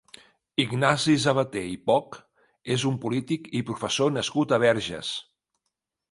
Ignasi Sabater i Poch és un polític i professor nascut a Verges.